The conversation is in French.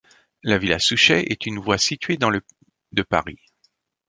La villa Souchet est une voie située dans le de Paris.